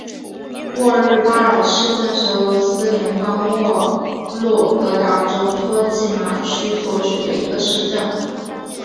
沃日巴尔市镇是俄罗斯联邦沃洛格达州托季马区所属的一个市镇。